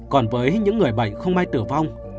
còn với những người bệnh không may tử vong